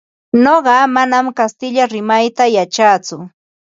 Nuqa manam kastilla rimayta yachatsu.